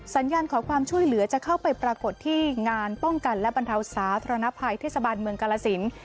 สัญญาณขอความช่วยเหลือจะเข้าไปปรากฏที่งานป้องกันและบรรเทาสาธารณภัยเทศบาลเมืองกาลสิน